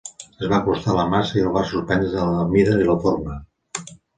Es va acostar a la massa i el va sorprendre la mida i la forma.